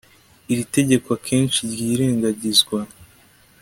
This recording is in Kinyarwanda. Iri tegeko akenshi ryirengagizwa